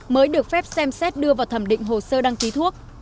mới được phép xem xét đưa vào thẩm định hồ sơ đăng ký thuốc